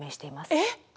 えっ！？